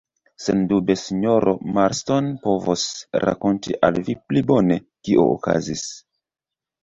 Sendube sinjoro Marston povos rakonti al vi pli bone, kio okazis.